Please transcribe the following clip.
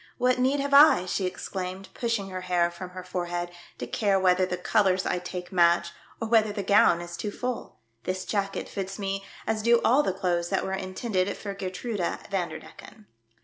What need have I," she ex claimed, pushing her hair from her forehead, " to care whether the colours I take match, or whether the gown is too full. This jacket fits me as do all the clothes that were inten ded for Geertruida Vanderdecken."